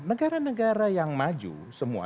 negara negara yang maju semua